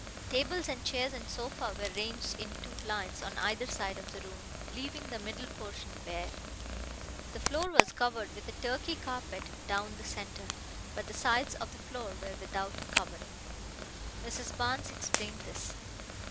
Tables and chairs and sofa were ranged in two lines on either side of the room, leaving the middle portion bare. The floor was covered with a Turkey carpet down the centre, but the sides of the floor were without covering. Mrs. Barnes explained this.